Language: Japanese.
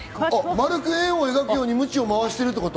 これは丸く円を描くようにムチを回してるってこと。